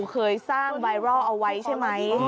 เคยสร้างไวร่ออไว้ใช่ไหม